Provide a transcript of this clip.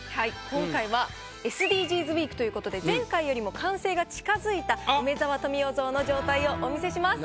今回はＳＤＧｓウイークということで前回よりも完成が近づいた梅沢富美男像の状態をお見せします。